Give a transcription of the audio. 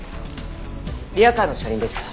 リヤカーの車輪でした。